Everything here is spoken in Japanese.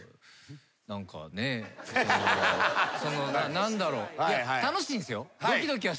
何だろう？